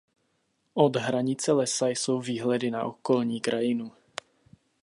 Od hranice lesa jsou výhledy na okolní krajinu.